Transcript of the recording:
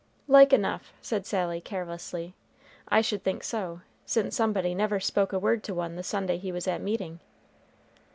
"Like enough," said Sally, carelessly. "I should think so, since somebody never spoke a word to one the Sunday he was at meeting."